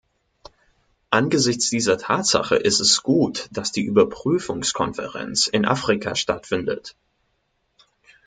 Angesichts dieser Tatsache ist es gut, dass die Überprüfungskonferenz in Afrika stattfindet.